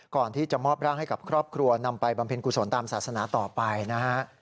ก่อนที่จะมอบร่างให้กับครอบครัวนำไปบำเพ็ญกุศลตามศาสนาต่อไปนะฮะ